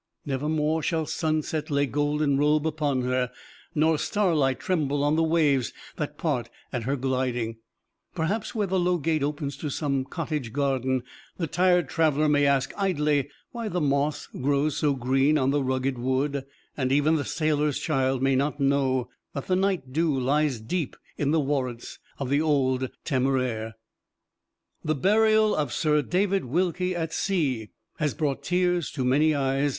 Nevermore shall sunset lay golden robe upon her, nor starlight tremble on the waves that part at her gliding. Perhaps where the low gate opens to some cottage garden, the tired traveler may ask, idly, why the moss grows so green on the rugged wood; and even the sailor's child may not know that the night dew lies deep in the warrents of the old Temeraire." "The Burial of Sir David Wilkie at Sea" has brought tears to many eyes.